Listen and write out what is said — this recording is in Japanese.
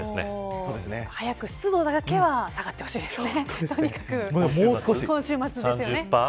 早く湿度だけは下がってほしいですね。